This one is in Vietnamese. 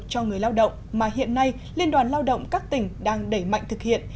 cho người lao động mà hiện nay liên đoàn lao động các tỉnh đang đẩy mạnh thực hiện